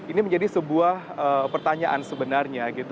ini menjadi sebuah pertanyaan sebenarnya gitu